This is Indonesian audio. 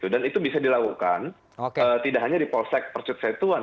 dan itu bisa dilakukan tidak hanya di polsek percut setuan